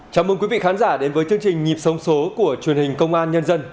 chào mừng quý vị khán giả đến với chương trình nhịp sống số của truyền hình công an nhân dân